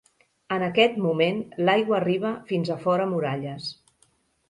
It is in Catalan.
En aquest moment, l'aigua arriba fins a fora muralles.